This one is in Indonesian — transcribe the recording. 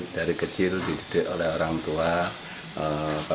dari kecil dididik oleh orang tua